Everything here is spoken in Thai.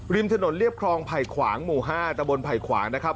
ริมถนนเรียบคลองไผ่ขวางหมู่๕ตะบนไผ่ขวางนะครับ